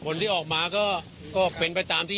ผลที่ออกมาก็เป็นไปตามที่